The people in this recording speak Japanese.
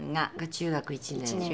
中学１年。